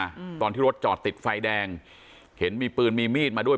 อืมตอนที่รถจอดติดไฟแดงเห็นมีปืนมีมีดมาด้วย